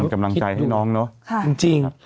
กำลังใจให้น้องเนาะจริง